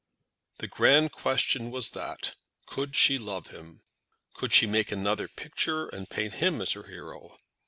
The grand question was that; could she love him? Could she make another picture, and paint him as her hero?